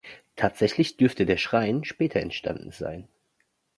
Tatsächlich dürfte der Schrein später entstanden sein.